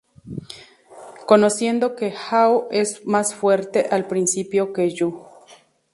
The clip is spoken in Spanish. Conociendo que Hao es más fuerte al principio que Yoh.